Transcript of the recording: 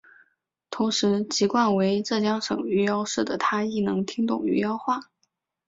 同时籍贯为浙江省余姚市的她亦能听懂余姚话。